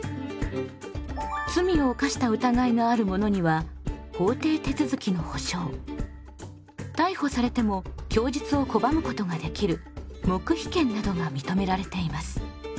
罪を犯した疑いがある者には法定手続きの保障逮捕されても供述を拒むことができる黙秘権などが認められています。